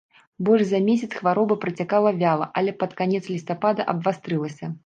Больш за месяц хвароба працякала вяла, але пад канец лістапада абвастрылася.